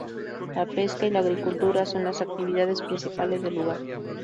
La pesca y la agricultura son las actividades principales del lugar.